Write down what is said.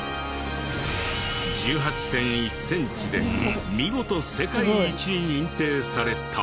１８．１センチで見事世界一に認定された。